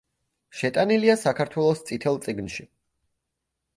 შეტანილია საქართველოს წითელ წიგნში.